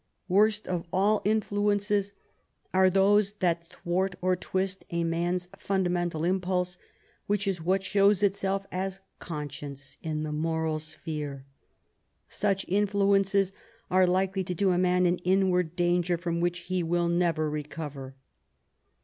Worst of all influences are those that thwart or twist a man's fundamental impulse, which is what shows itself as conscience in the moral sphere; such influences are likely to do a man an inward danger from which he will never recover.